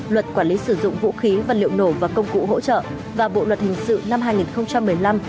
luật quản lý sử dụng vũ khí vật liệu nổ và công cụ hỗ trợ và bộ luật hình sự năm hai nghìn một mươi năm